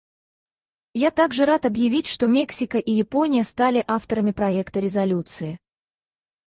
Я также рад объявить, что Мексика и Япония стали авторами проекта резолюции.